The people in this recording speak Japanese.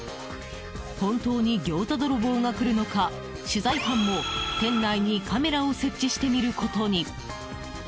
本当にギョーザ泥棒が来るのか取材班も、店内にカメラを設置してみることに。